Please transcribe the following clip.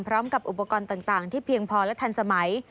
พร้อมกับอุปกรณ์ต่างที่เพียงพอและทันสมัย